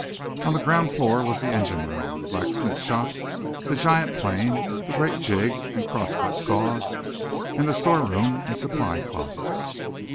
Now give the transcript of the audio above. On the ground floor was the engine room, the blacksmith's shop, the giant plane, the great jig and cross cut saws, and the store room and supply closets.